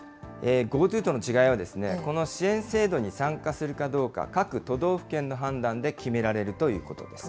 ＧｏＴｏとの違いは、この支援制度に参加するかどうか、各都道府県の判断で決められるということです。